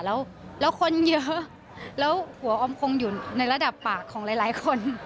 แล้วคนเยอะแล้วหัวออมคงอยู่ในระดับปากของหลายคน